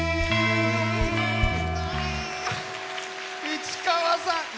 市川さん。